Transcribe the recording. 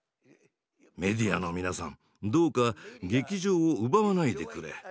メディアの皆さんどうか「劇場」を奪わないでくれ。